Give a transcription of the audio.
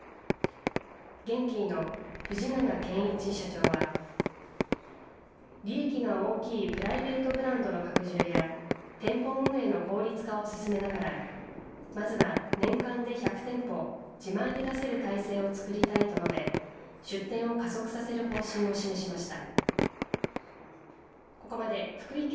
ゲンキーの藤永賢一社長は利益が大きいプライベートブランドの拡充や店舗運営の効率化を進めながらまずは、年間で１００店舗自前で出せる体制をつくりたいと述べ出店を加速させる方針を示しました。